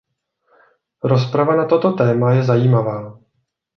Rozprava na toto téma je zajímavá.